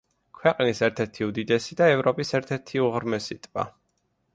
ქვეყნის ერთ-ერთი უდიდესი და ევროპის ერთ-ერთი უღრმესი ტბა.